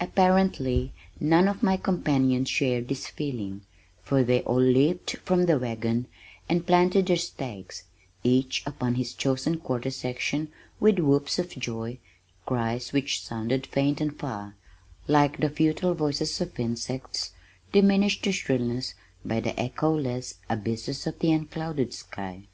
Apparently none of my companions shared this feeling, for they all leaped from the wagon and planted their stakes, each upon his chosen quarter section with whoops of joy, cries which sounded faint and far, like the futile voices of insects, diminished to shrillness by the echoless abysses of the unclouded sky.